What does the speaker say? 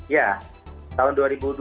ya tahun dua ribu dua puluh